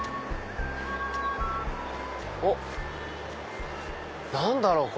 おっ何だろう？